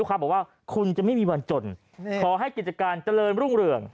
ท่านจะไม่วันจนขอให้กิจการเจริญร่วมเรื่อง